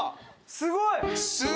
すごい！